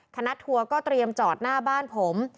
ทัวร์ก็เตรียมจอดหน้าบ้านผม